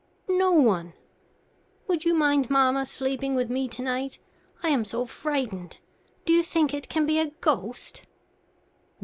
"No one. Would you mind, mamma, sleeping with me to night? I am so frightened. Do you think it can be a ghost?"